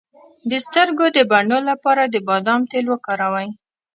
د سترګو د بڼو لپاره د بادام تېل وکاروئ